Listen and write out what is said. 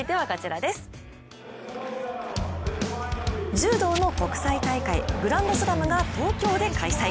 柔道の国際大会グランドスラムが東京で開催。